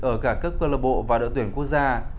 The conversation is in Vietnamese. ở cả các club bộ và đội tuyển quốc gia